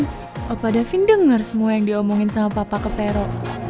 bukan bapak davin denger semua yang diomongin sama papa kevero